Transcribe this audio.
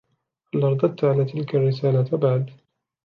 هل رددت على تلك الرسالة بعد ؟